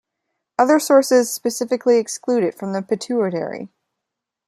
Other sources specifically exclude it from the pituitary.